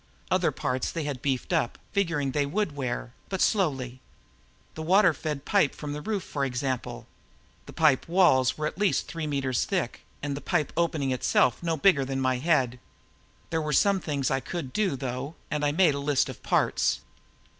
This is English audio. Other parts they had beefed up, figuring they would wear, but slowly. The water feed pipe from the roof, for example. The pipe walls were at least three meters thick and the pipe opening itself no bigger than my head. There were some things I could do, though, and I made a list of parts.